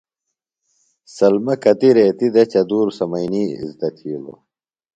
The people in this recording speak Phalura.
سلمہ کتیۡ ریتی دےۡ چدُور سمینیۡ اِزدہ تھِیلوۡ۔